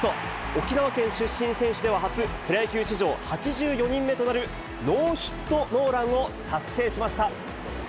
沖縄県出身選手では初、プロ野球史上８４人目となる、ノーヒットノーランを達成しました。